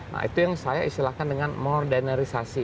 nah itu yang saya istilahkan dengan moderisasi